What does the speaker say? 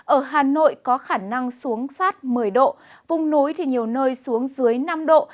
ở hà nội có khả năng xuống sát một mươi độ vùng núi thì nhiều nơi xuống dưới năm độ